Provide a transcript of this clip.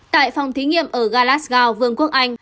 tại phòng thí nghiệm ở glasgow vương quốc anh